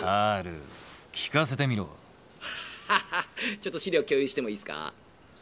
ちょっと資料共有してもいいっすか。